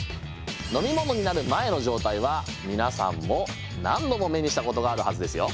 飲み物になる前の状態は皆さんも何度も目にしたことがあるはずですよ。